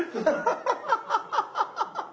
ハハハハハ！